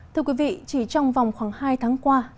thưa quý vị chỉ trong vòng khoảng hai tháng qua